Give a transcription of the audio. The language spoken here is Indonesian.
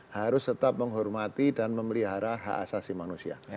harus tetap menghormati dan memelihara hak asasi manusia